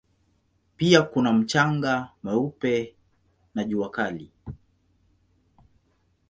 Pia kuna mchanga mweupe na jua kali.